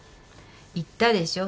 言ったでしょ。